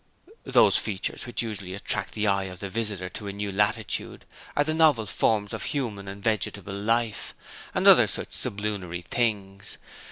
Those features which usually attract the eye of the visitor to a new latitude are the novel forms of human and vegetable life, and other such sublunary things.